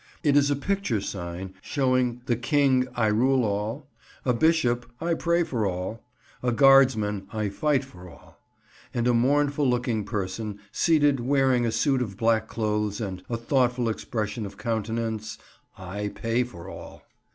It is a picture sign showing the King, "I rule all"; a bishop, "I pray for all"; a guardsman, "I fight for all"; and a mournful looking person, seated, wearing a suit of black clothes and a thoughtful expression of countenance: "I pay for all."